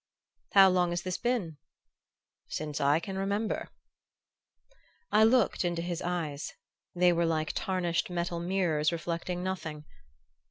"How long has this been?" "Since I can remember." I looked into his eyes: they were like tarnished metal mirrors reflecting nothing.